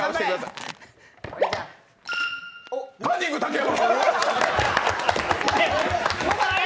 カンニング竹山！？